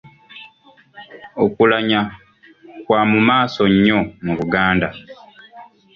Okulanya kwa mu maaso nnyo mu Buganda.